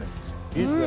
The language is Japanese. いいですね。